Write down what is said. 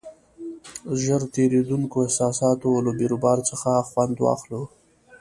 ژر تېرېدونکو احساساتو له بیروبار څخه خوند واخلو.